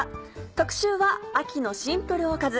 特集は「秋のシンプルおかず」。